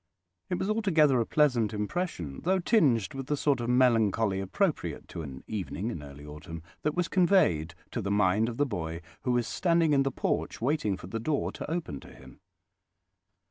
It was altogether a pleasant impression, though tinged with the sort of melancholy appropriate to an evening in early autumn, that was conveyed to the mind of the boy who was standing in the porch waiting for the door to open to him.